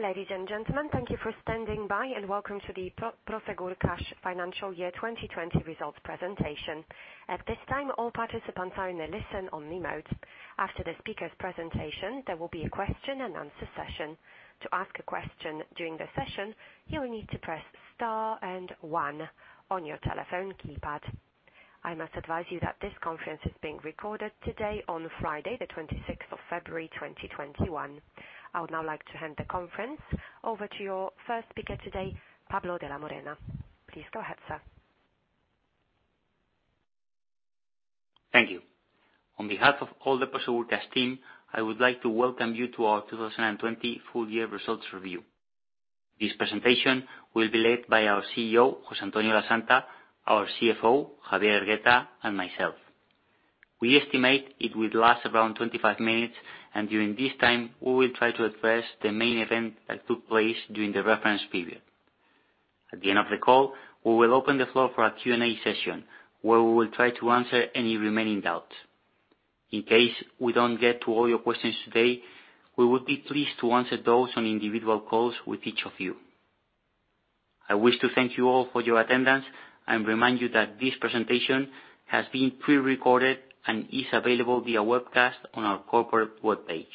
Ladies and gentlemen, thank you for standing by, and welcome to the Prosegur Cash Financial Year 2020 Results Presentation. At this time, all participants are in a listen-only mode. After the speakers' presentation, there will be a question and answer session. I must advise you that this conference is being recorded today on Friday, the 26th of February 2021. I would now like to hand the conference over to your first speaker today, Pablo de la Morena. Please go ahead, sir. Thank you. On behalf of all the Prosegur Cash team, I would like to welcome you to our 2020 full year results review. This presentation will be led by our CEO, José Antonio Lasanta, our CFO, Javier Hergueta, and myself. We estimate it will last around 25 minutes, and during this time, we will try to address the main event that took place during the reference period. At the end of the call, we will open the floor for a Q&A session where we will try to answer any remaining doubts. In case we don't get to all your questions today, we would be pleased to answer those on individual calls with each of you. I wish to thank you all for your attendance and remind you that this presentation has been pre-recorded and is available via webcast on our corporate webpage.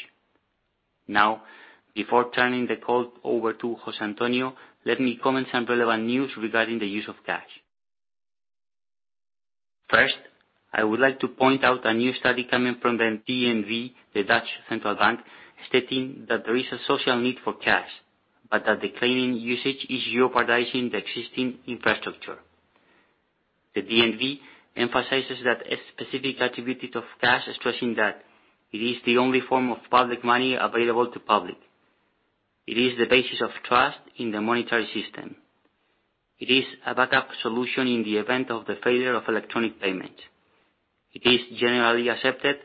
Before turning the call over to José Antonio, let me comment some relevant news regarding the use of cash. I would like to point out a new study coming from the DNB, the Dutch central bank, stating that there is a social need for cash, but that declining usage is jeopardizing the existing infrastructure. The DNB emphasizes that specific attribute of cash, stressing that it is the only form of public money available to public. It is the basis of trust in the monetary system. It is a backup solution in the event of the failure of electronic payment. It is generally accepted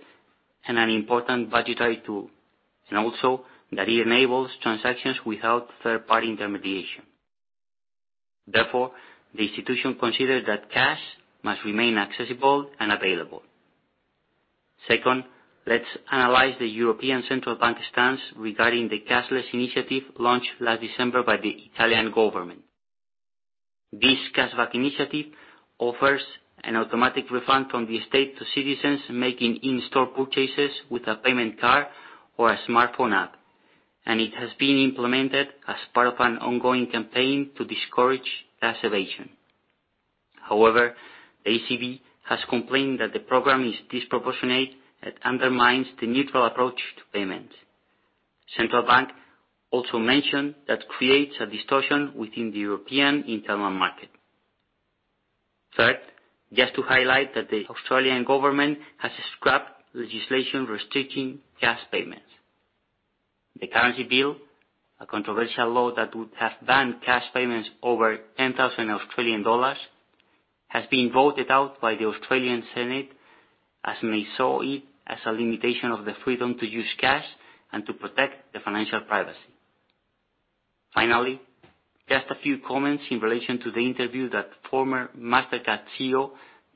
and an important budgetary tool, also that it enables transactions without third-party intermediation. The institution considers that cash must remain accessible and available. Let's analyze the European Central Bank stance regarding the cashless initiative launched last December by the Italian government. This cash-back initiative offers an automatic refund from the state to citizens making in-store purchases with a payment card or a smartphone app. It has been implemented as part of an ongoing campaign to discourage tax evasion. The ECB has complained that the program is disproportionate and undermines the neutral approach to payment. Central Bank also mentioned that creates a distortion within the European internal market. Just to highlight that the Australian government has scrapped legislation restricting cash payments. The currency bill, a controversial law that would have banned cash payments over 10,000 Australian dollars, has been voted out by the Australian Senate, as many saw it as a limitation of the freedom to use cash and to protect the financial privacy. Just a few comments in relation to the interview that former Mastercard CEO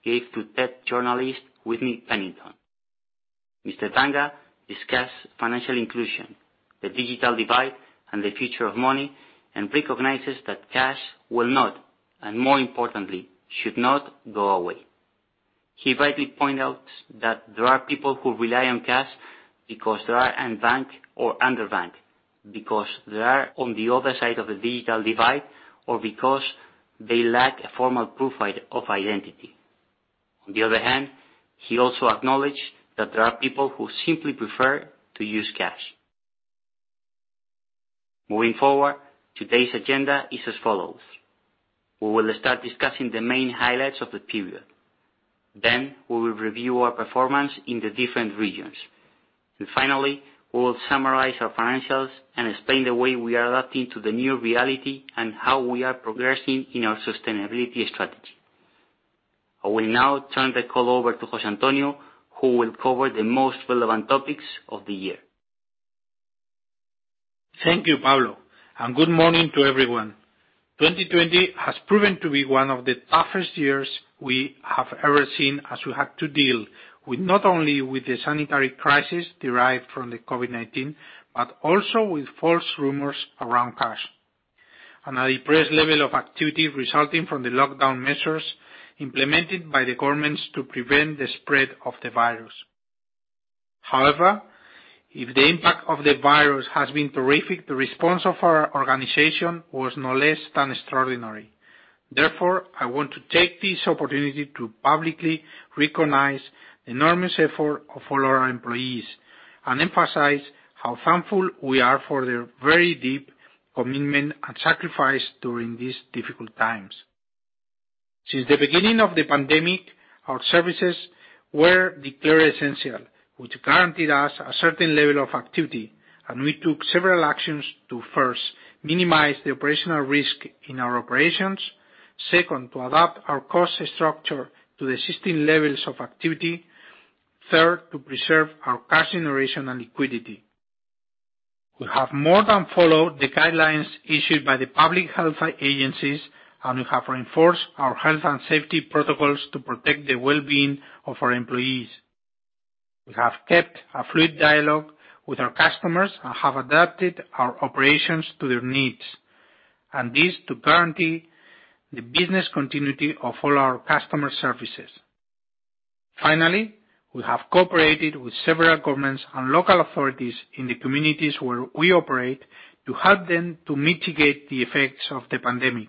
gave to tech journalist, Whitney Pennington. Mr. Banga discussed financial inclusion, the digital divide, and the future of money, and recognizes that cash will not, and more importantly, should not, go away. He rightly points out that there are people who rely on cash because they are unbanked or underbanked, because they are on the other side of the digital divide, or because they lack a formal proof of identity. On the other hand, he also acknowledged that there are people who simply prefer to use cash. Moving forward, today's agenda is as follows. We will start discussing the main highlights of the period. Then, we will review our performance in the different regions. Finally, we will summarize our financials and explain the way we are adapting to the new reality and how we are progressing in our sustainability strategy. I will now turn the call over to José Antonio, who will cover the most relevant topics of the year. Thank you, Pablo, and good morning to everyone. 2020 has proven to be one of the toughest years we have ever seen, as we had to deal with not only with the sanitary crisis derived from the COVID-19, but also with false rumors around cash, and a depressed level of activity resulting from the lockdown measures implemented by the governments to prevent the spread of the virus. However, if the impact of the virus has been terrific, the response of our organization was no less than extraordinary. Therefore, I want to take this opportunity to publicly recognize the enormous effort of all our employees and emphasize how thankful we are for their very deep commitment and sacrifice during these difficult times. Since the beginning of the pandemic, our services were declared essential, which guaranteed us a certain level of activity, and we took several actions to, first, minimize the operational risk in our operations. Second, to adapt our cost structure to the existing levels of activity. Third, to preserve our cash generation and liquidity. We have more than followed the guidelines issued by the public health agencies, and we have reinforced our health and safety protocols to protect the well-being of our employees. We have kept a fluid dialogue with our customers and have adapted our operations to their needs, and this to guarantee the business continuity of all our customer services. Finally, we have cooperated with several governments and local authorities in the communities where we operate to help them to mitigate the effects of the pandemic.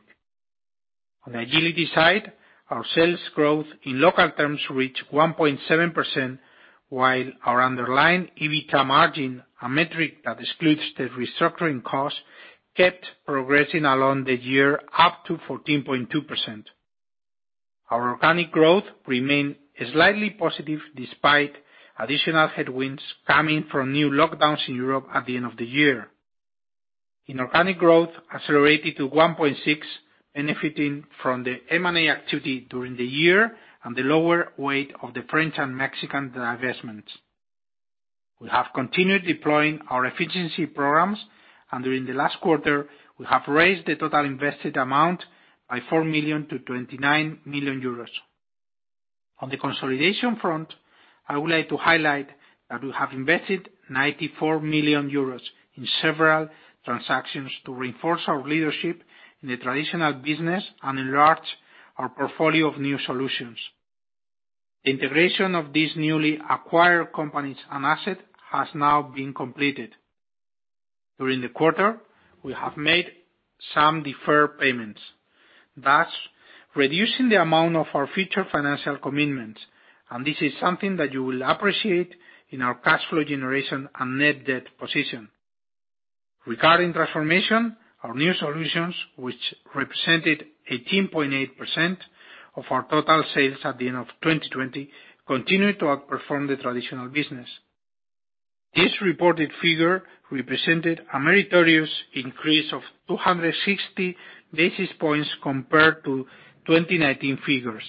On the agility side, our sales growth in local terms reached 1.7%, while our underlying EBITDA margin, a metric that excludes the restructuring cost, kept progressing along the year up to 14.2%. Our organic growth remained slightly positive despite additional headwinds coming from new lockdowns in Europe at the end of the year. Inorganic growth accelerated to 1.6%, benefiting from the M&A activity during the year and the lower weight of the French and Mexican divestments. We have continued deploying our efficiency programs, and during the last quarter, we have raised the total invested amount by 4 million to 29 million euros. On the consolidation front, I would like to highlight that we have invested 94 million euros in several transactions to reinforce our leadership in the traditional business and enlarge our portfolio of new solutions. The integration of these newly acquired companies and asset has now been completed. During the quarter, we have made some deferred payments, thus reducing the amount of our future financial commitments, This is something that you will appreciate in our cash flow generation and net debt position. Regarding transformation, our new solutions, which represented 18.8% of our total sales at the end of 2020, continued to outperform the traditional business. This reported figure represented a meritorious increase of 260 basis points compared to 2019 figures,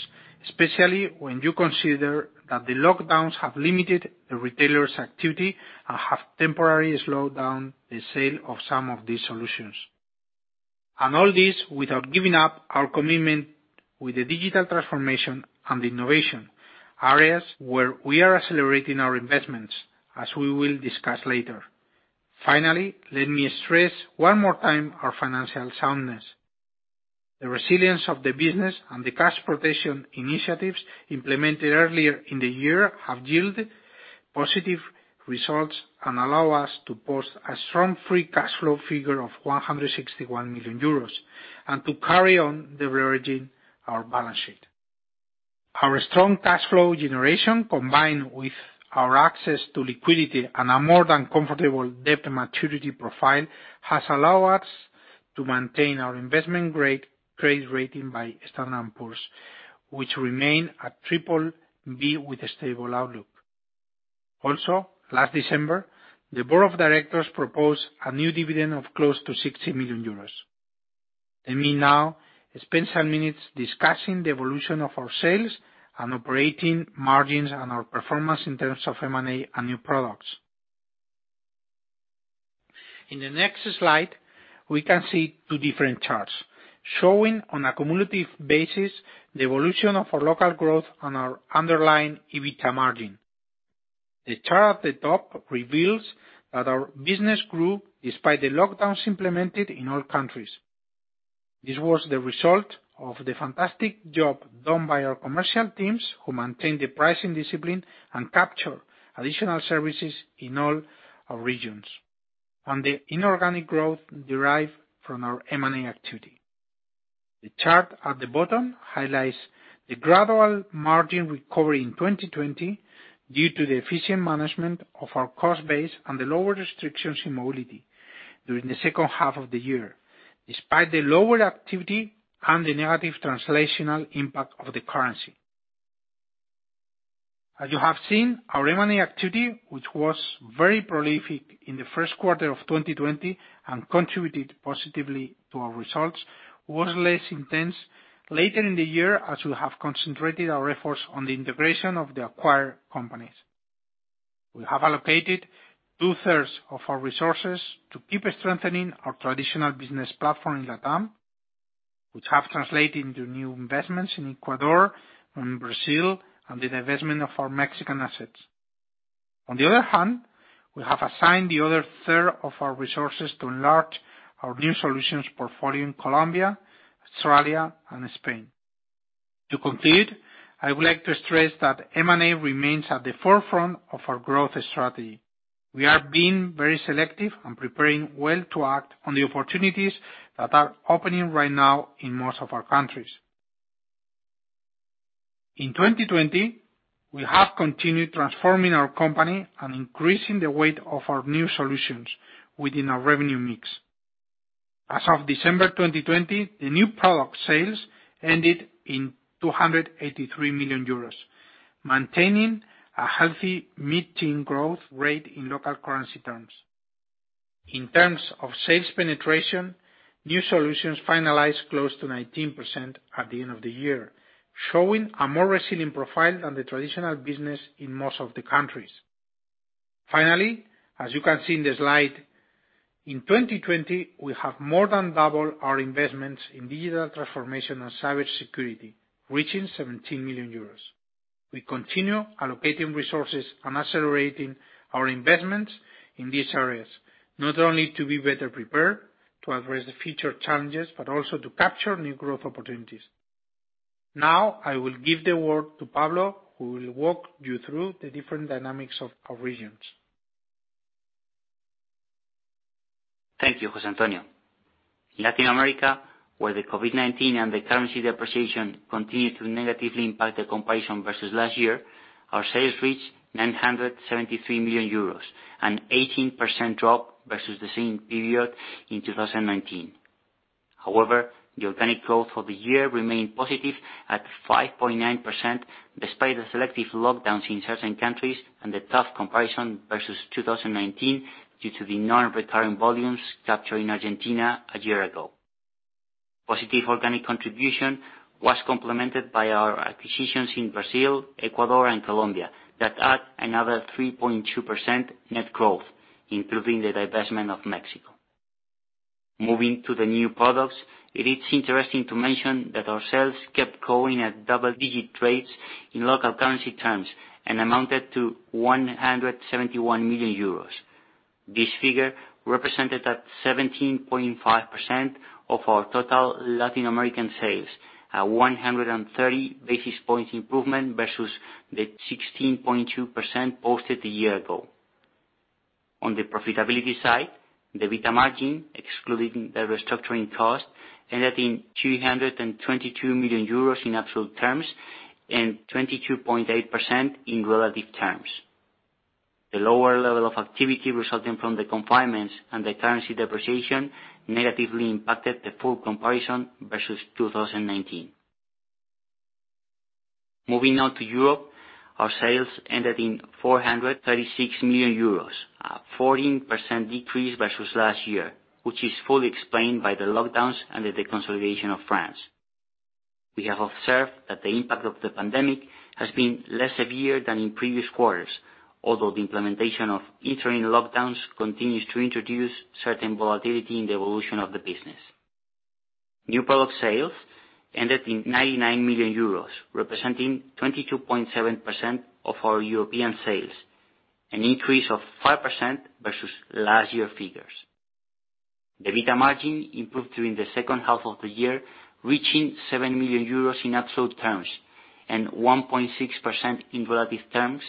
especially when you consider that the lockdowns have limited the retailers' activity and have temporarily slowed down the sale of some of these solutions. All this without giving up our commitment with the digital transformation and innovation, areas where we are accelerating our investments, as we will discuss later. Finally, let me stress one more time our financial soundness. The resilience of the business and the cash protection initiatives implemented earlier in the year have yielded positive results and allow us to post a strong free cash flow figure of 161 million euros, and to carry on de-leveraging our balance sheet. Our strong cash flow generation, combined with our access to liquidity and a more than comfortable debt maturity profile, has allowed us to maintain our investment-grade credit rating by Standard & Poor's, which remain at BBB with a stable outlook. Also, last December, the Board of Directors proposed a new dividend of close to 60 million euros. Let me now spend some minutes discussing the evolution of our sales and operating margins and our performance in terms of M&A and new products. In the next slide, we can see two different charts showing on a cumulative basis the evolution of our local growth and our underlying EBITDA margin. The chart at the top reveals that our business grew despite the lockdowns implemented in all countries. This was the result of the fantastic job done by our commercial teams, who maintained the pricing discipline and captured additional services in all our regions, and the inorganic growth derived from our M&A activity. The chart at the bottom highlights the gradual margin recovery in 2020 due to the efficient management of our cost base and the lower restrictions in mobility during the second half of the year, despite the lower activity and the negative translational impact of the currency. As you have seen, our M&A activity, which was very prolific in the first quarter of 2020 and contributed positively to our results, was less intense later in the year as we have concentrated our efforts on the integration of the acquired companies. We have allocated two-thirds of our resources to keep strengthening our traditional business platform in LATAM, which have translated into new investments in Ecuador and Brazil and the divestment of our Mexican assets. On the other hand, we have assigned the other third of our resources to enlarge our new solutions portfolio in Colombia, Australia, and Spain. To conclude, I would like to stress that M&A remains at the forefront of our growth strategy. We are being very selective and preparing well to act on the opportunities that are opening right now in most of our countries. In 2020, we have continued transforming our company and increasing the weight of our new solutions within our revenue mix. As of December 2020, the new product sales ended in 283 million euros, maintaining a healthy mid-teen growth rate in local currency terms. In terms of sales penetration, new solutions finalized close to 19% at the end of the year, showing a more resilient profile than the traditional business in most of the countries. Finally, as you can see in the slide, in 2020, we have more than doubled our investments in digital transformation and cybersecurity, reaching 17 million euros. We continue allocating resources and accelerating our investments in these areas, not only to be better prepared to address the future challenges, but also to capture new growth opportunities. Now, I will give the word to Pablo, who will walk you through the different dynamics of our regions. Thank you, José Antonio. Latin America, where the COVID-19 and the currency depreciation continued to negatively impact the comparison versus last year, our sales reached 973 million euros, an 18% drop versus the same period in 2019. The organic growth for the year remained positive at 5.9%, despite the selective lockdowns in certain countries and the tough comparison versus 2019 due to the non-recurring volumes captured in Argentina a year ago. Positive organic contribution was complemented by our acquisitions in Brazil, Ecuador, and Colombia that add another 3.2% net growth, including the divestment of Mexico. Moving to the new products, it is interesting to mention that our sales kept growing at double-digit rates in local currency terms and amounted to 171 million euros. This figure represented at 17.5% of our total Latin American sales, a 130 basis points improvement versus the 16.2% posted a year ago. On the profitability side, the EBITDA margin, excluding the restructuring cost, ended in 222 million euros in absolute terms and 22.8% in relative terms. The lower level of activity resulting from the confinements and the currency depreciation negatively impacted the full comparison versus 2019. Moving on to Europe, our sales ended in 436 million euros, a 14% decrease versus last year, which is fully explained by the lockdowns under the consolidation of France. We have observed that the impact of the pandemic has been less severe than in previous quarters, although the implementation of interim lockdowns continues to introduce certain volatility in the evolution of the business. New product sales ended in 99 million euros, representing 22.7% of our European sales, an increase of 5% versus last year figures. The EBITDA margin improved during the second half of the year, reaching 7 million euros in absolute terms and 1.6% in relative terms,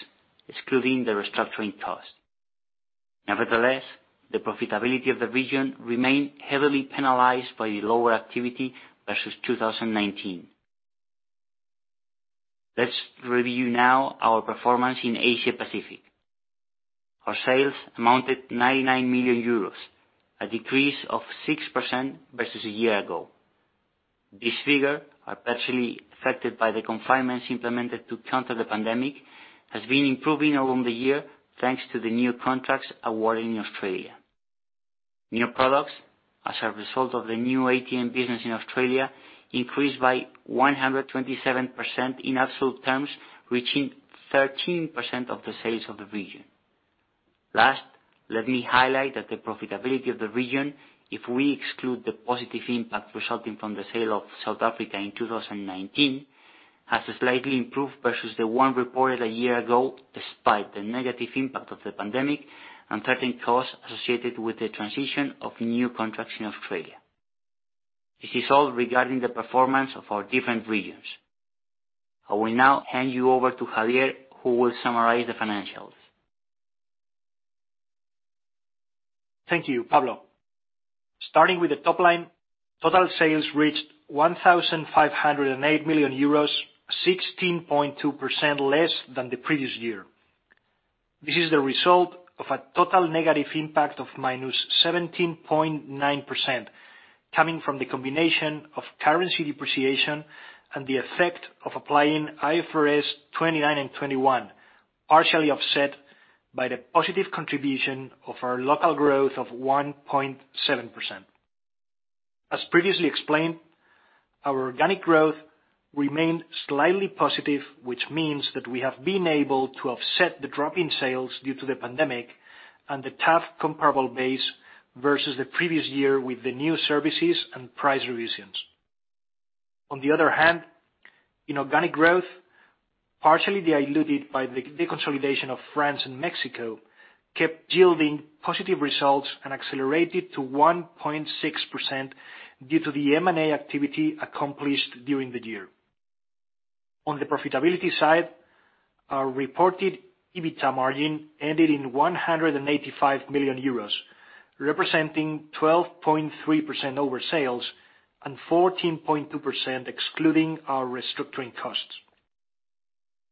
excluding the restructuring cost. Nevertheless, the profitability of the region remained heavily penalized by the lower activity versus 2019. Let's review now our performance in Asia Pacific. Our sales amounted 99 million euros, a decrease of 6% versus a year ago. This figure, partially affected by the confinements implemented to counter the pandemic, has been improving along the year, thanks to the new contracts awarded in Australia. New products, as a result of the new ATM business in Australia, increased by 127% in absolute terms, reaching 13% of the sales of the region. Last, let me highlight that the profitability of the region, if we exclude the positive impact resulting from the sale of South Africa in 2019, has slightly improved versus the one reported a year ago, despite the negative impact of the pandemic and certain costs associated with the transition of new contracts in Australia. This is all regarding the performance of our different regions. I will now hand you over to Javier, who will summarize the financials. Thank you, Pablo. Starting with the top line, total sales reached 1,508 million euros, 16.2% less than the previous year. This is the result of a total negative impact of -17.9%, coming from the combination of currency depreciation and the effect of applying IAS 29 and 21, partially offset by the positive contribution of our local growth of 1.7%. As previously explained, our organic growth remained slightly positive, which means that we have been able to offset the drop in sales due to the pandemic and the tough comparable base versus the previous year with the new services and price revisions. On the other hand, in organic growth, partially diluted by the deconsolidation of France and Mexico, kept yielding positive results and accelerated to 1.6% due to the M&A activity accomplished during the year. On the profitability side, our reported EBITDA margin ended in 185 million euros, representing 12.3% over sales and 14.2% excluding our restructuring costs.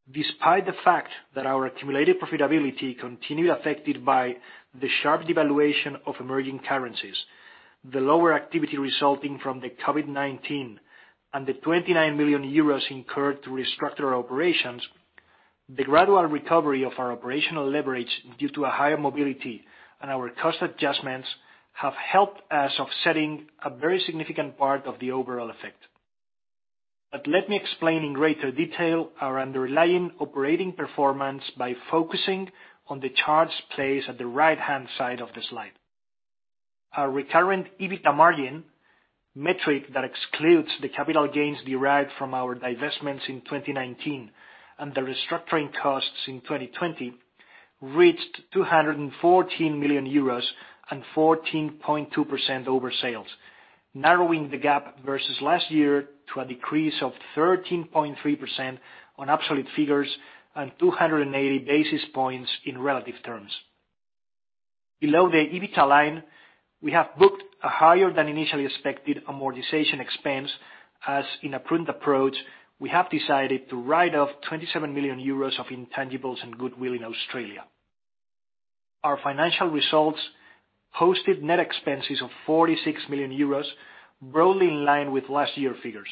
Despite the fact that our accumulated profitability continued affected by the sharp devaluation of emerging currencies, the lower activity resulting from the COVID-19 and the 29 million euros incurred to restructure our operations, the gradual recovery of our operational leverage due to a higher mobility and our cost adjustments have helped us offsetting a very significant part of the overall effect. Let me explain in greater detail our underlying operating performance by focusing on the charts placed at the right-hand side of the slide. Our recurrent EBITDA margin, metric that excludes the capital gains derived from our divestments in 2019 and the restructuring costs in 2020, reached 214 million euros, 14.2% over sales, narrowing the gap versus last year to a decrease of 13.3% on absolute figures and 280 basis points in relative terms. Below the EBITDA line, we have booked a higher than initially expected amortization expense, as in a prudent approach, we have decided to write off 27 million euros of intangibles and goodwill in Australia. Our financial results posted net expenses of 46 million euros, broadly in line with last year figures.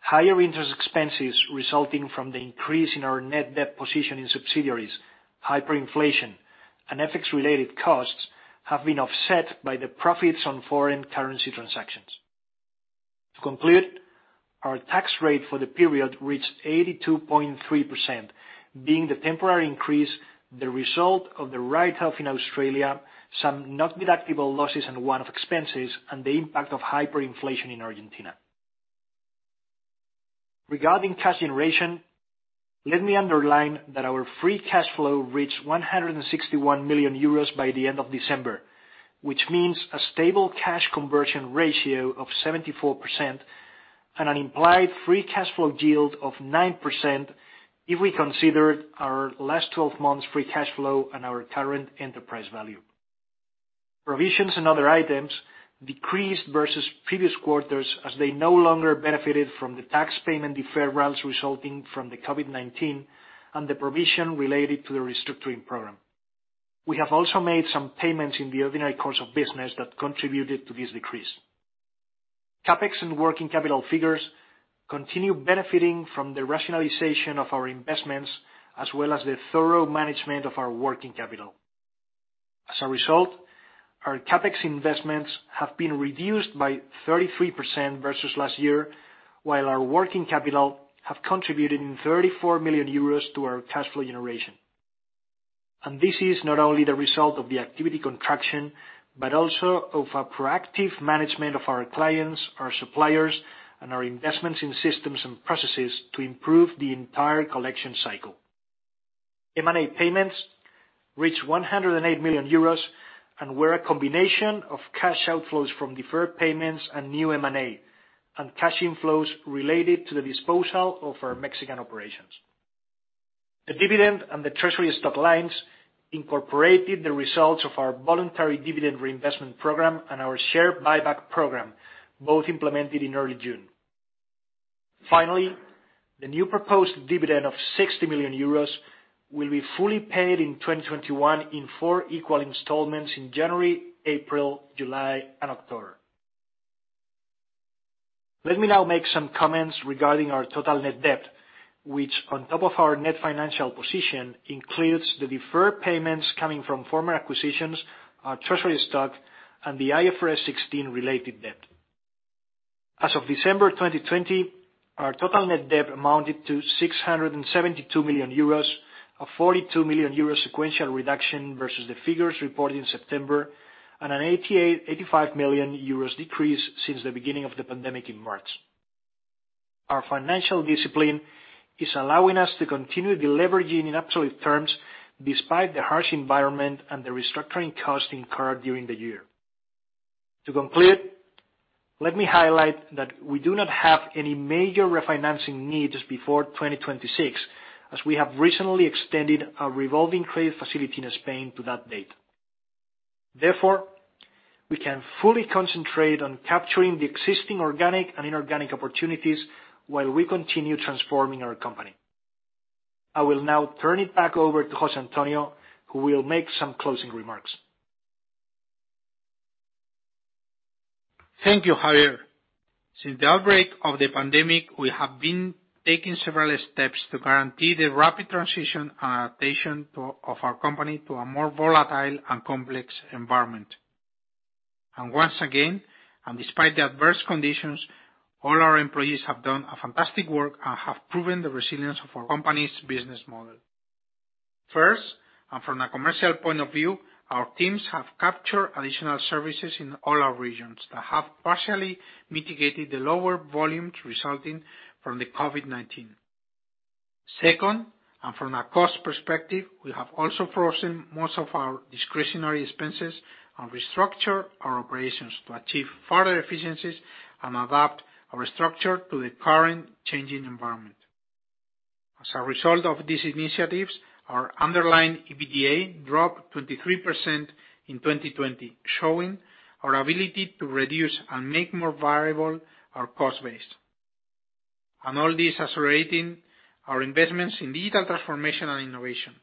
Higher interest expenses resulting from the increase in our net debt position in subsidiaries, hyperinflation, and FX-related costs, have been offset by the profits on foreign currency transactions. To conclude, our tax rate for the period reached 82.3%, being the temporary increase the result of the write-off in Australia, some non-deductible losses and one-off expenses, and the impact of hyperinflation in Argentina. Regarding cash generation, let me underline that our free cash flow reached 161 million euros by the end of December, which means a stable cash conversion ratio of 74% and an implied free cash flow yield of 9% if we consider our last 12 months' free cash flow and our current enterprise value. Provisions and other items decreased versus previous quarters, as they no longer benefited from the tax payment deferrals resulting from the COVID-19 and the provision related to the restructuring program. We have also made some payments in the ordinary course of business that contributed to this decrease. CapEx and working capital figures continue benefiting from the rationalization of our investments as well as the thorough management of our working capital. As a result, our CapEx investments have been reduced by 33% versus last year, while our working capital have contributed 34 million euros to our cash flow generation. This is not only the result of the activity contraction, but also of a proactive management of our clients, our suppliers, and our investments in systems and processes to improve the entire collection cycle. M&A payments reached 108 million euros, and were a combination of cash outflows from deferred payments and new M&A, and cash inflows related to the disposal of our Mexican operations. The dividend and the treasury stock lines incorporated the results of our voluntary dividend reinvestment program and our share buyback program, both implemented in early June. Finally, the new proposed dividend of 60 million euros will be fully paid in 2021 in four equal installments in January, April, July, and October. Let me now make some comments regarding our total net debt, which on top of our net financial position, includes the deferred payments coming from former acquisitions, our treasury stock, and the IFRS 16 related debt. As of December 2020, our total net debt amounted to 672 million euros, a 42 million euro sequential reduction versus the figures reported in September, and an 85 million euros decrease since the beginning of the pandemic in March. Our financial discipline is allowing us to continue deleveraging in absolute terms, despite the harsh environment and the restructuring costs incurred during the year. To conclude, let me highlight that we do not have any major refinancing needs before 2026, as we have recently extended our revolving credit facility in Spain to that date. We can fully concentrate on capturing the existing organic and inorganic opportunities while we continue transforming our company. I will now turn it back over to José Antonio, who will make some closing remarks. Thank you, Javier. Since the outbreak of the pandemic, we have been taking several steps to guarantee the rapid transition and adaptation of our company to a more volatile and complex environment. Once again, and despite the adverse conditions, all our employees have done a fantastic work and have proven the resilience of our company's business model. First, and from a commercial point of view, our teams have captured additional services in all our regions that have partially mitigated the lower volumes resulting from the COVID-19. Second, and from a cost perspective, we have also frozen most of our discretionary expenses and restructured our operations to achieve further efficiencies and adapt our structure to the current changing environment. As a result of these initiatives, our underlying EBITDA dropped 23% in 2020, showing our ability to reduce and make more variable our cost base. All this accelerating our investments in digital transformation and innovation,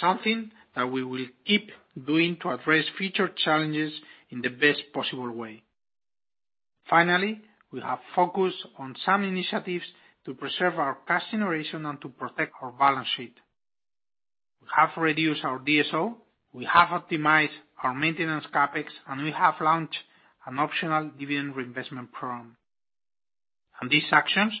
something that we will keep doing to address future challenges in the best possible way. Finally, we have focused on some initiatives to preserve our cash generation and to protect our balance sheet. We have reduced our DSO, we have optimized our maintenance CapEx, and we have launched an optional dividend reinvestment program. These actions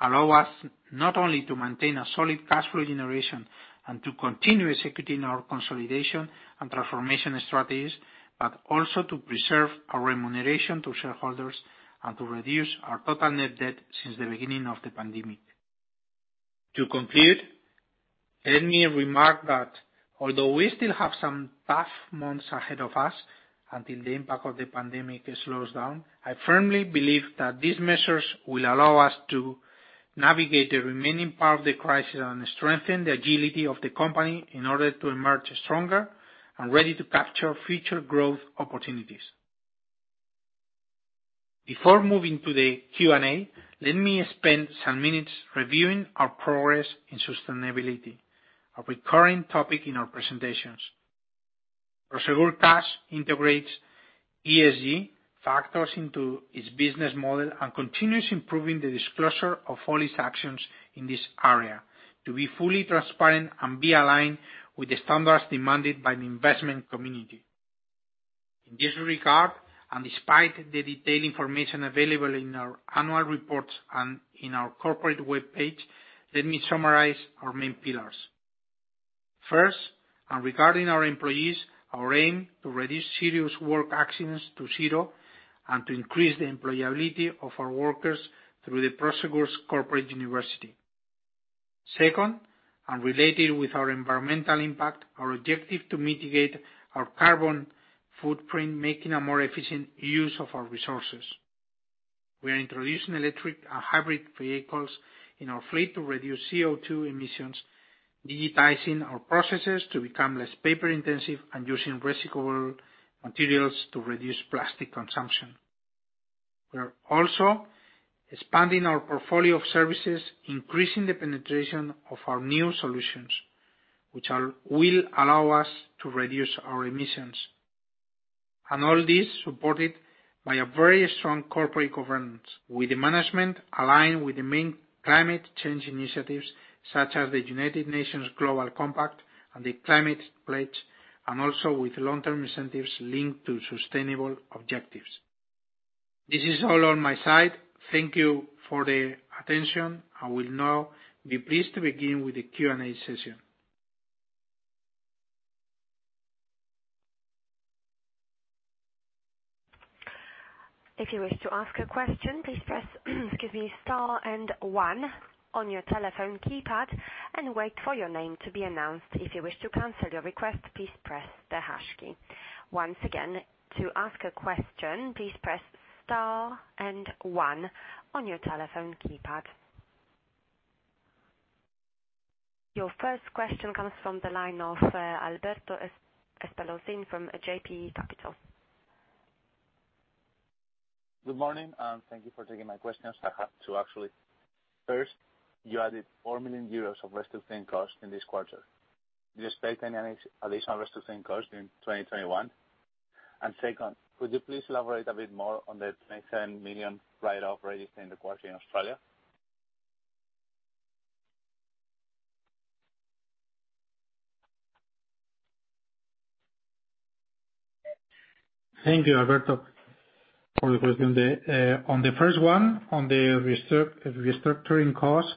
allow us not only to maintain a solid cash flow generation and to continue executing our consolidation and transformation strategies, but also to preserve our remuneration to shareholders and to reduce our total net debt since the beginning of the pandemic. To conclude, let me remark that although we still have some tough months ahead of us until the impact of the pandemic slows down, I firmly believe that these measures will allow us to navigate the remaining part of the crisis and strengthen the agility of the company in order to emerge stronger and ready to capture future growth opportunities. Before moving to the Q&A, let me spend some minutes reviewing our progress in sustainability, a recurring topic in our presentations. Prosegur Cash integrates ESG factors into its business model and continues improving the disclosure of all its actions in this area to be fully transparent and be aligned with the standards demanded by the investment community. In this regard, and despite the detailed information available in our annual reports and in our corporate web page, let me summarize our main pillars. First, and regarding our employees, our aim to reduce serious work accidents to zero and to increase the employability of our workers through the Prosegur University. Second, and related with our environmental impact, our objective to mitigate our carbon footprint, making a more efficient use of our resources. We are introducing electric and hybrid vehicles in our fleet to reduce CO2 emissions, digitizing our processes to become less paper intensive, and using recyclable materials to reduce plastic consumption. We are also expanding our portfolio of services, increasing the penetration of our new solutions, which will allow us to reduce our emissions. All this supported by a very strong corporate governance, with the management aligned with the main climate change initiatives such as the United Nations Global Compact and The Climate Pledge, and also with long-term incentives linked to sustainable objectives. This is all on my side. Thank you for the attention. I will now be pleased to begin with the Q&A session. If you wish to ask a question, please press excuse me, star and one on your telephone keypad and wait for your name to be announced. If you wish to cancel your request, please press the hash key. Once again, to ask a question, please press star and one on your telephone keypad. Your first question comes from the line of Alberto Espelosín from JB Capital. Good morning, and thank you for taking my questions. I have two, actually. First, you added 4 million euros of restructuring costs in this quarter. Do you expect any additional restructuring costs in 2021? Second, could you please elaborate a bit more on the 20 million write-off registered in the quarter in Australia? Thank you, Alberto, for the question. On the first one, on the restructuring cost,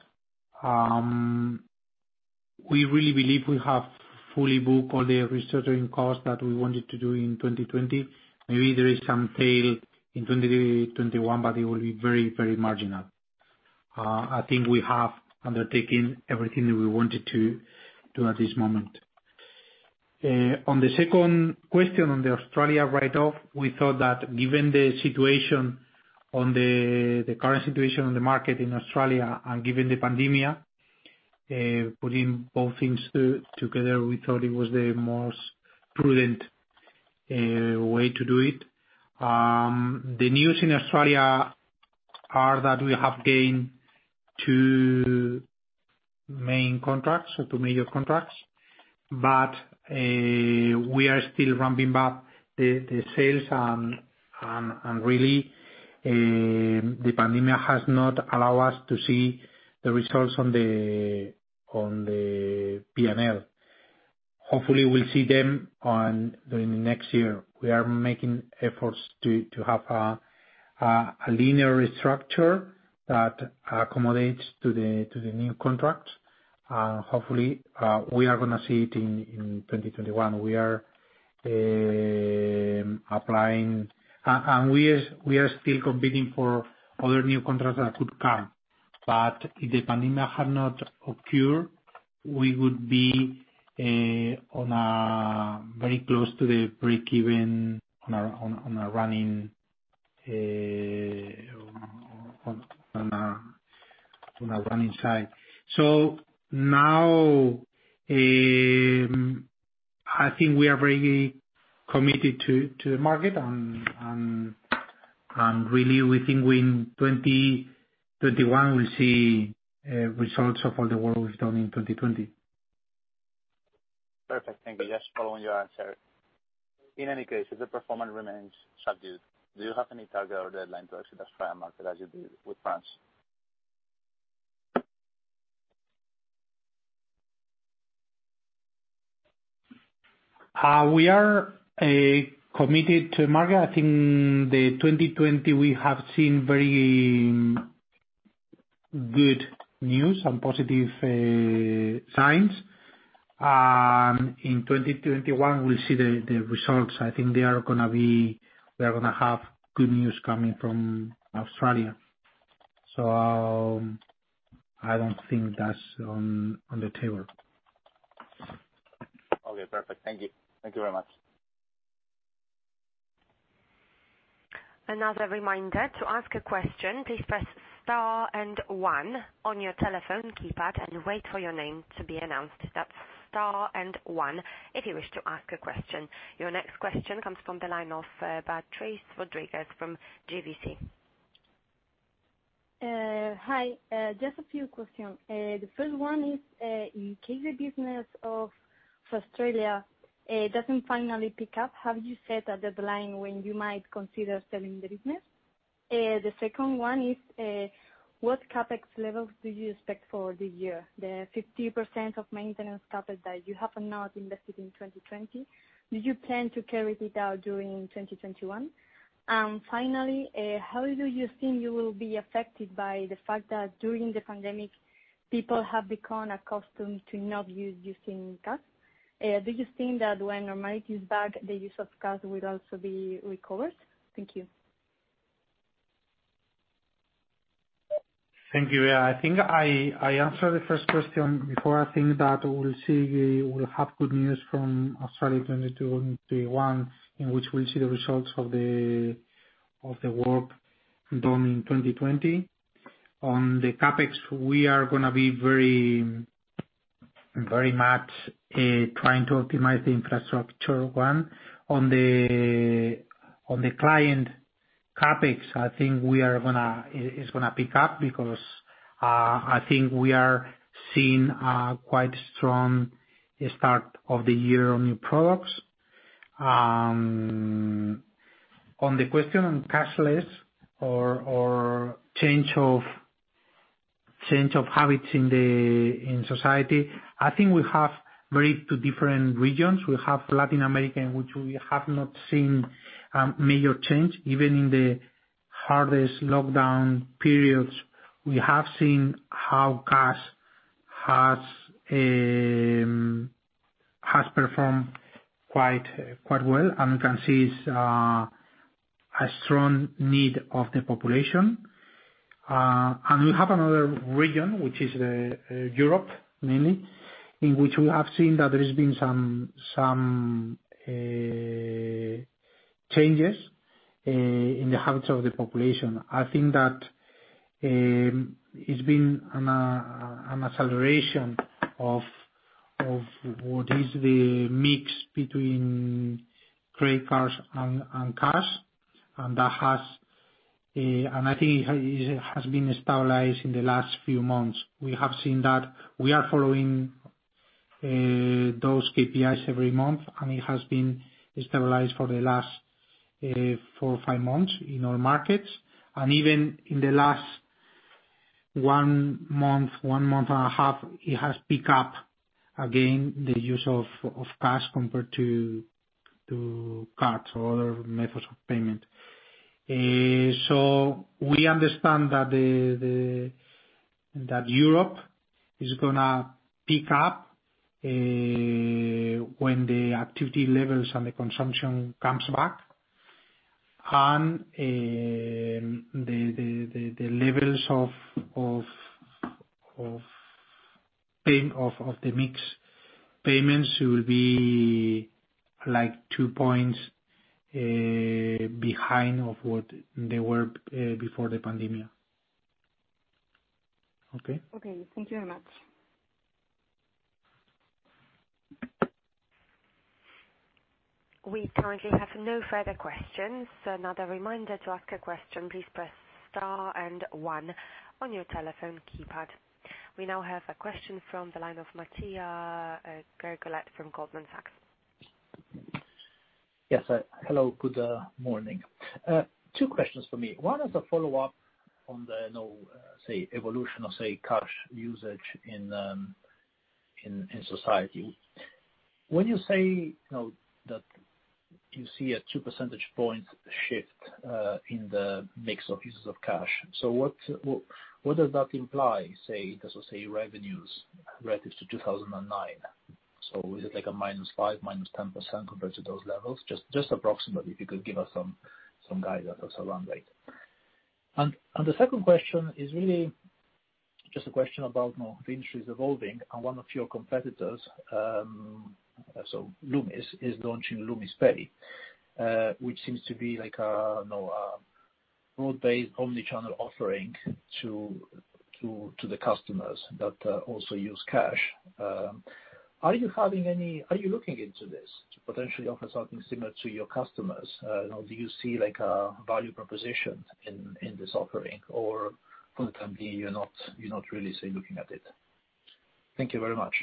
we really believe we have fully booked all the restructuring costs that we wanted to do in 2020. Maybe there is some tail in 2021, but it will be very, very marginal. I think we have undertaken everything that we wanted to do at this moment. On the second question on the Australia write-off, we thought that given the current situation on the market in Australia and given the pandemia, putting both things together, we thought it was the most prudent way to do it. The news in Australia are that we have gained two major contracts, but we are still ramping up the sales and really, the pandemia has not allowed us to see the results on the P&L. Hopefully, we'll see them during the next year. We are making efforts to have a linear restructure that accommodates to the new contract. Hopefully, we are going to see it in 2021. We are still competing for other new contracts that could come. If the pandemia had not occurred, we would be very close to the break even on a running side. Now, I think we are very committed to the market and really, we think within 2021, we'll see results of all the work we've done in 2020. Perfect. Thank you. Just following your answer. In any case, if the performance remains subdued, do you have any target or deadline to exit Australian market as you did with France? We are committed to market. I think the 2020, we have seen very good news and positive signs. In 2021, we'll see the results. I think we are going to have good news coming from Australia. I don't think that's on the table. Okay, perfect. Thank you. Thank you very much. Another reminder, to ask a question, please press star and one on your telephone keypad and wait for your name to be announced. That's star and one, if you wish to ask a question. Your next question comes from the line of Beatriz Rodríguez from GVC. Hi. Just a few questions. The first one is, in case the business of Australia doesn't finally pick up, have you set a deadline when you might consider selling the business? The second one is, what CapEx levels do you expect for the year? The 50% of maintenance CapEx that you have not invested in 2020, do you plan to carry it out during 2021? Finally, how do you think you will be affected by the fact that during the pandemic, people have become accustomed to not using cash? Do you think that when normality is back, the use of cash will also be recovered? Thank you. Thank you. I think I answered the first question before. I think that we'll have good news from Australia 2021, in which we'll see the results of the work done in 2020. On the CapEx, we are going to be very much trying to optimize the infrastructure one. On the client CapEx, I think it's going to pick up because, I think we are seeing a quite strong start of the year on new products. On the question on cashless or change of habit in society, I think we have very two different regions. We have Latin America, in which we have not seen major change. Even in the hardest lockdown periods, we have seen how cash has performed quite well, and we can see it's a strong need of the population. We have another region, which is Europe, mainly, in which we have seen that there has been some changes in the habits of the population. I think that it's been an acceleration of what is the mix between credit cards and cash. I think it has been stabilized in the last few months. We have seen that. We are following those KPIs every month, and it has been stabilized for the last four or five months in all markets. Even in the last one month, one month and a half, it has picked up again, the use of cash compared to cards or other methods of payment. We understand that Europe is going to pick up when the activity levels and the consumption comes back. The levels of the mix payments will be two points behind of what they were before the pandemic. Okay? Okay. Thank you very much. We currently have no further questions. Another reminder, to ask a question, please press star and one on your telephone keypad. We now have a question from the line of Matija Gergolet from Goldman Sachs. Yes, hello. Good morning. Two questions for me. One is a follow-up on the evolution of cash usage in society. When you say that you see a two percentage points shift in the mix of uses of cash. What does that imply, say, revenues relative to 2019? Is it like a -5%, -10% compared to those levels? Just approximately, if you could give us some guidance as a run rate. The second question is really just a question about the industry's evolving and one of your competitors. Loomis is launching Loomis Pay, which seems to be a broad-based omni-channel offering to the customers that also use cash. Are you looking into this to potentially offer something similar to your customers? Do you see a value proposition in this offering, or could it be you're not really looking at it? Thank you very much.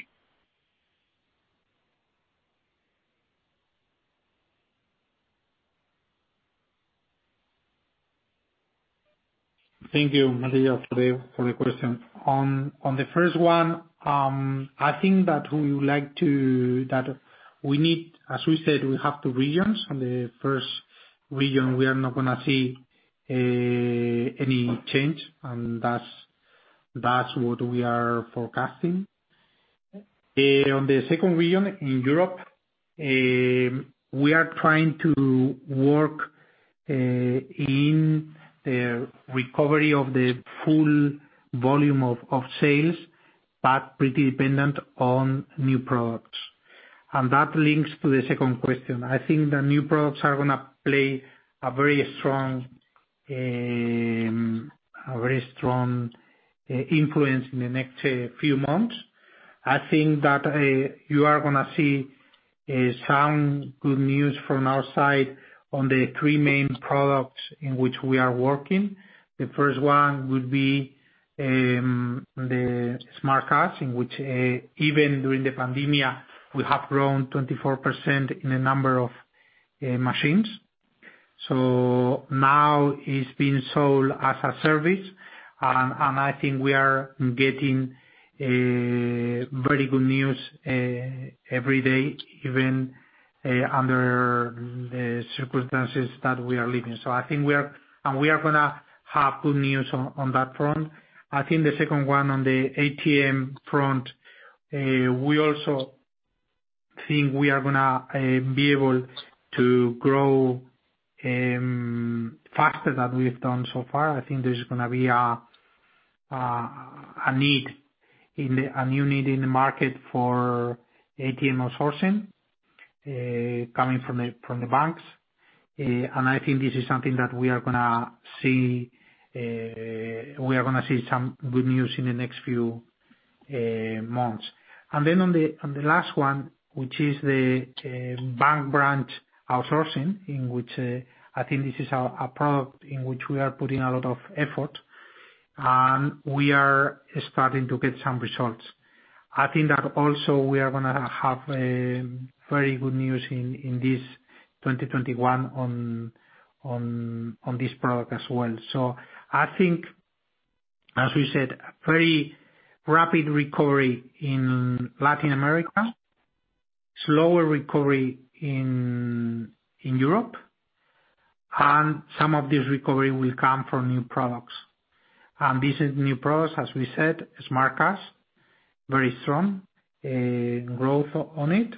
Thank you, Matija, for the question. On the first one, as we said, we have two regions. On the first region, we are not going to see any change, and that's what we are forecasting. On the second region, in Europe, we are trying to work in the recovery of the full volume of sales, but pretty dependent on new products. That links to the second question. I think the new products are going to play a very strong influence in the next few months. I think that you are going to see some good news from our side on the three main products in which we are working. The first one would be the Smart Cash, in which, even during the COVID-19, we have grown 24% in the number of machines. Now it's being sold as a service, and I think we are getting very good news every day, even under the circumstances that we are living. I think we are going to have good news on that front. I think the second one, on the ATM front, we also think we are going to be able to grow faster than we've done so far. I think there's going to be a new need in the market for ATM outsourcing, coming from the banks. I think this is something that we are going to see some good news in the next few months. Then on the last one, which is the bank branch outsourcing, I think this is a product in which we are putting a lot of effort, and we are starting to get some results. I think that also we are going to have very good news in this 2021 on this product as well. I think, as we said, pretty rapid recovery in Latin America, slower recovery in Europe, and some of this recovery will come from new products. This new products, as we said, Smart Cash, very strong growth on it,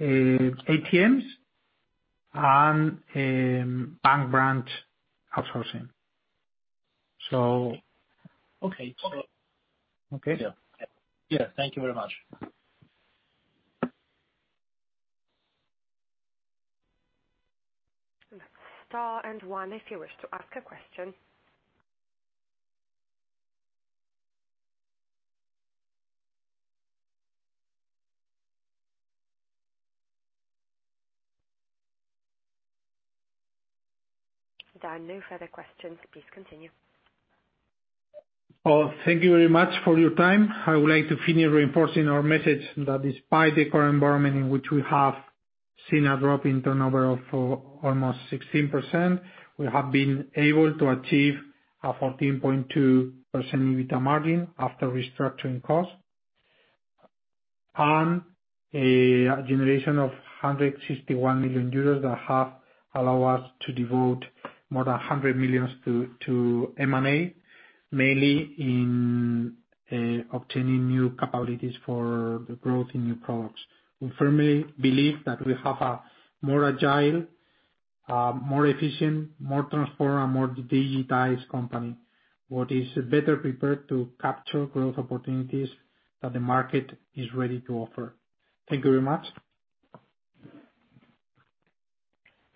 ATMs and bank branch outsourcing. Okay. Yeah. Thank you very much. Star and one if you wish to ask a question. There are no further questions. Please continue. Thank you very much for your time. I would like to finish reinforcing our message that despite the current environment in which we have seen a drop in turnover of almost 16%, we have been able to achieve a 14.2% EBITDA margin after restructuring cost. A generation of 161 million euros that have allow us to devote more than 100 million to M&A, mainly in obtaining new capabilities for the growth in new products. We firmly believe that we have a more agile, more efficient, more transformed, and more digitized company. What is better prepared to capture growth opportunities that the market is ready to offer. Thank you very much.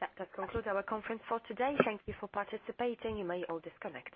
That does conclude our conference for today. Thank you for participating. You may all disconnect.